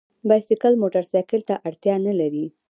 بایسکل موټرسایکل ته اړتیا نه لري.